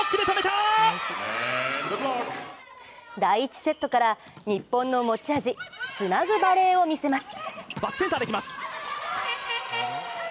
第１セットから日本の持ち味、つなぐバレーを見せます。